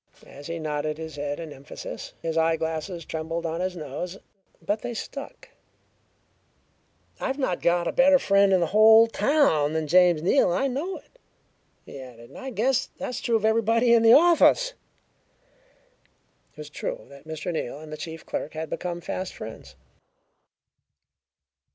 As he nodded his head in emphasis, his eyeglasses trembled on his nose but they stuck. "I've not got a better friend in the whole town than James Neal, and I know it," he added, "and I guess that's true of everybody in the office!" It was true that Mr. Neal and the chief clerk had become fast friends.